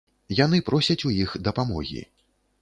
Яны просяць у іх дапамогі.